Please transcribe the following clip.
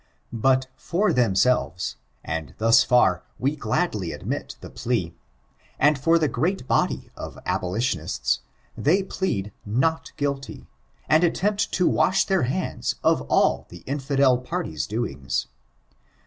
But far tketnselTeB — and thus far we gladly admit the plea— aud for the great body of abolidoniata, they plead not guilty; aad attempt to wash their hands of all the infidel party's doings.